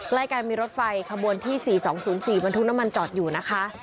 ใกล้กันมีรถไฟขบวนที่๔๒๐๔บรรทุกน้ำมันจอดอยู่นะคะ